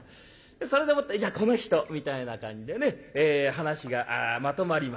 それでもって「じゃあこの人」みたいな感じでね話がまとまります。